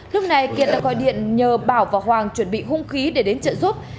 lúc này kiệt đã gọi điện nhờ bảo và hoàng chuẩn bị hung khí để đến trợ giúp